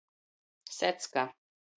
Secka.